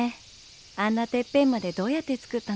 あんなてっぺんまでどうやって作ったのかしら。